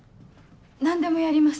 何でもやります。